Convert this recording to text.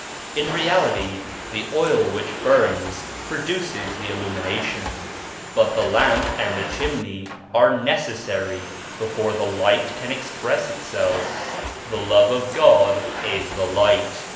In re ality the oil which burns produces the illumina tion, but the lamp and the chimney are necessary before the light can express itself. The Love of God is the light.